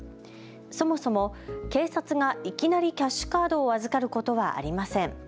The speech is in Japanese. そもそも警察がいきなりキャッシュカードを預かることはありません。